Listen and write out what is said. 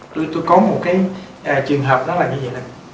tôi có một cái trường hợp đó là như vậy đó